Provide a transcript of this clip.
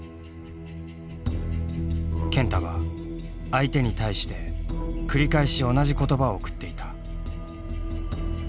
健太は相手に対して繰り返し同じ言葉を送っていた。